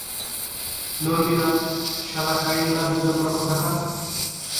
নড়বি না, শালা কাইল্লা বেজন্মা কোথাকার।